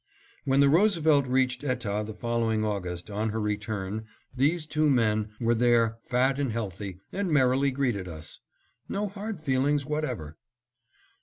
When the Roosevelt reached Etah the following August, on her return, these two men were there, fat and healthy, and merrily greeted us. No hard feelings whatever.